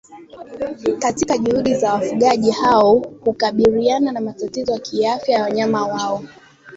katika juhudi za wafugaji hao hukabiliana na matatizo ya kiafya ya wanyama wao